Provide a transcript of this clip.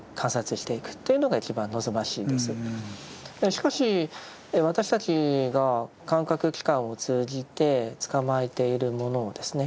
しかし私たちが感覚器官を通じてつかまえているものをですね